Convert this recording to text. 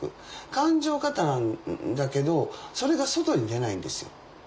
感情過多なんだけどそれが外に出ないんですよ。